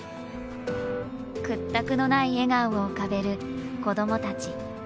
屈託のない笑顔を浮かべる子供たち。